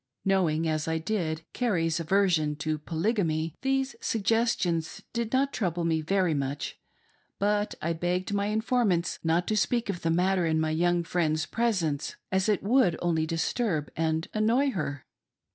Knowing, as I did, Carrie's aversion to Polygamy, these suggestions did not trouble me very much ; but I begged my informants not to speak of the matter in my young friend's presence as it would only disturb and annoy her.